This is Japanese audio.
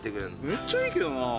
めっちゃいいけどなぁ。